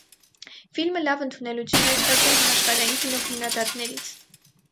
Ֆիլմը լավ ընդունելություն է ստացել համաշխարհային կինոքննադատներից։